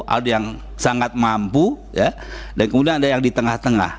ada yang sangat mampu dan kemudian ada yang di tengah tengah